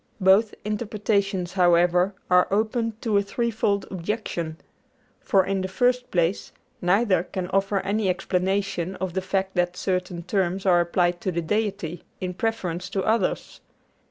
Both interpretations, however, are open to a threefold objection. For, in the first place, neither can offer any explanation of the fact that certain terms are applied to the Deity in preference to others.